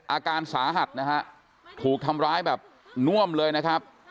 อาการสาหัสนะฮะถูกทำร้ายแบบน่วมเลยนะครับ